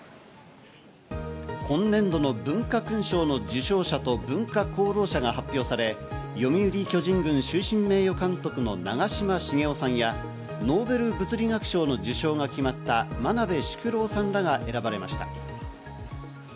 今年度の文化勲章の受章者と文化功労者が発表され、読売巨人軍終身名誉監督の長嶋茂雄さんや、ノーベル物理学賞の受賞が決まった真鍋淑郎さんらが選ばれました。